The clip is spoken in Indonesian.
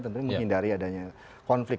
tentunya menghindari adanya konflik